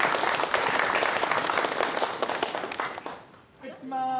はいいきます！